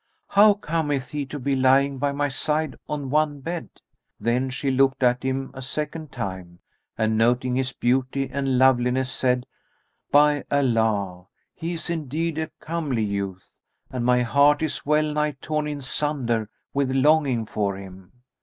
How cometh he to be lying by my side on one bed?" Then she looked at him a second time and, noting his beauty and loveliness, said, "By Allah, he is indeed a comely youth and my heart[FN#268] is well nigh torn in sunder with longing for him!